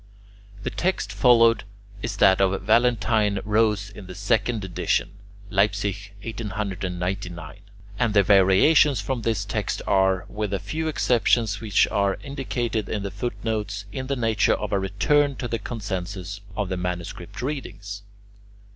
The text followed is that of Valentine Rose in his second edition (Leipzig, 1899), and the variations from this text are, with a few exceptions which are indicated in the footnotes, in the nature of a return to the consensus of the manuscript readings.